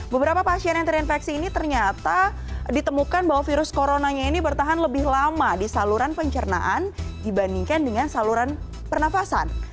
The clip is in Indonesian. beberapa pasien yang terinfeksi ini ternyata ditemukan bahwa virus coronanya ini bertahan lebih lama di saluran pencernaan dibandingkan dengan saluran pernafasan